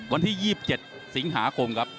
วันที่๒๗สิงหาคมครับ